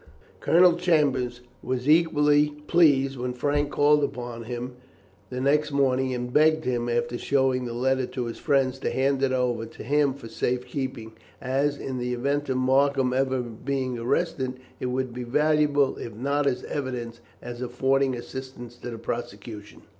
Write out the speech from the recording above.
Colonel Chambers was equally pleased when Frank called upon him the next morning, and begged him, after showing the letter to his friends, to hand it over to him for safe keeping, as, in the event of Markham ever being arrested, it would be valuable, if not as evidence, as affording assistance to the prosecution.